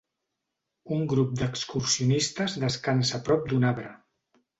Un grup d'excursionistes descansa prop d'un arbre.